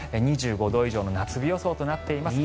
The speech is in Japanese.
２５度以上の夏日予想となっています。